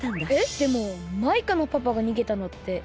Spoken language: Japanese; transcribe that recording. でもマイカのパパがにげたのって宇宙でしょ？